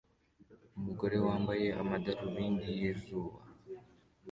Umugore wambaye amadarubindi yizuba